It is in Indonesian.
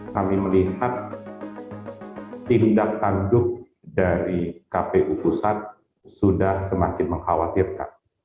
kami melihat tindak tanduk dari kpu pusat sudah semakin mengkhawatirkan